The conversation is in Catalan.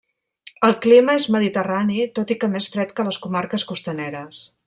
El clima és mediterrani, tot i que més fred que a les comarques costaneres.